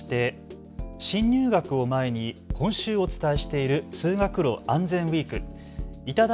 ではかわりまして新入学を前に今週お伝えしている通学路あんぜんウイーク。